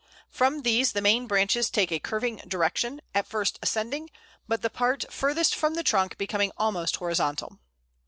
From these the main branches take a curving direction, at first ascending, but the part furthest from the trunk becoming almost horizontal.